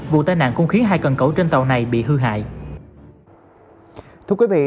vụ tai nạn cũng khiến hai cần cẩu trên tàu này bị hư hại